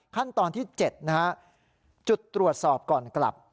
ขั้นตอนที่๗นะฮะจุดตรวจสอบก่อนกลับ